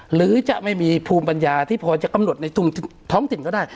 หรือจะไม่มีภูมิปัญญาที่พอจะกำหนดในท้องถิ่นก็ได้